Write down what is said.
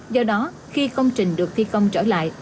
do đó khi công trình được thi công trở lại